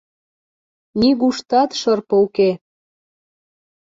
Нигуштат шырпе уке!